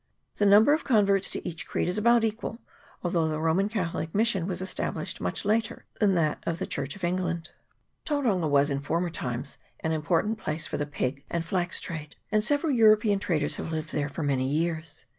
The num ber of converts to each creed is about equal, although the Roman Catholic mission was established much later than that of the Church of England. Tauranga was in former times an important place for the pig and flax trade ; and several European traders have lived there for many years.